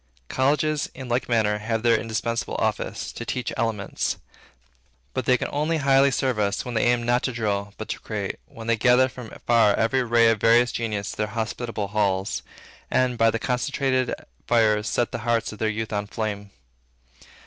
Colleges, in like manner, have their indispensable office, to teach elements. But they can only highly serve us, when they aim not to drill, but to create; when they gather from far every ray of various genius to their hospitable halls, and, by the concentrated fires, set the hearts of their youth on flame.